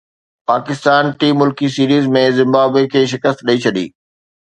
پاڪستان ٽي ملڪي series ۾ Zimbabwe کي شڪست ڏئي ڇڏي